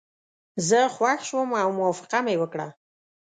زه خوښ شوم او موافقه مې وکړه.